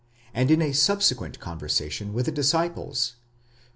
and in a subsequent conversation with the disciples (xii.